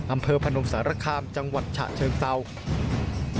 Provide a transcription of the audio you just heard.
อำเภอพนมสารคำจังหวัดฉะเชิงเซาค์